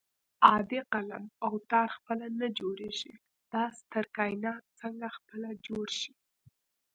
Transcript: عادي قلم او تار خپله نه جوړېږي دا ستر کائنات څنګه خپله جوړ شي